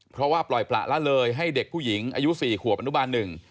เพราะว่าปล่อยประละเลยให้เด็กผู้หญิงอายุ๔ขวบอนุบาลหนึ่ง